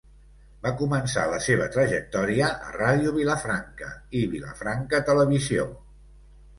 Va començar la seva trajectòria a Ràdio Vilafranca i Vilafranca Televisió.